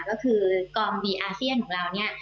ก็คือกองอาเซียนของเรานี้